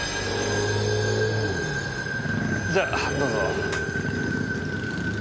じゃどうぞ。